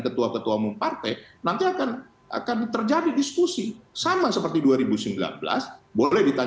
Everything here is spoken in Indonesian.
ketua ketua umum partai nanti akan akan terjadi diskusi sama seperti dua ribu sembilan belas boleh di